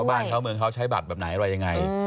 บ้านเขาเมืองเขาใช้บัตรแบบไหนอะไรยังไง